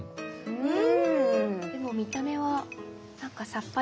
うん。